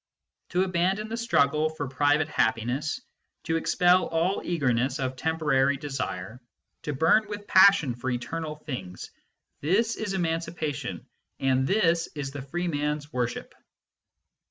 To abandon the struggle for private happiness, to expel all eagerness of temporary desire, to burn with passion for eternal things this is emancipation, and this is the free man s worship.